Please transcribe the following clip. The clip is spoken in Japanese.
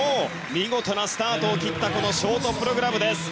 見事なスタートを切ったこのショートプログラムです。